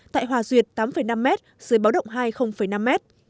tại hòa duyệt tám năm m dưới báo động hai năm m